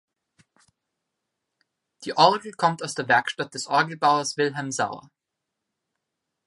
Die Orgel kommt aus der Werkstatt des Orgelbauers Wilhelm Sauer.